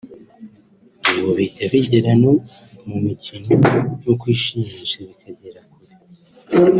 ngo bijya bigera no mu mikino no kwishimisha bikagera kure